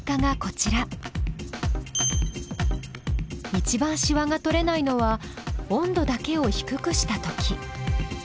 いちばんしわが取れないのは温度だけを低くした時。